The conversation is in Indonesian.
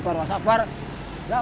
ini adalah sabar hati saya lah